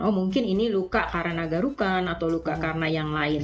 oh mungkin ini luka karena garukan atau luka karena yang lain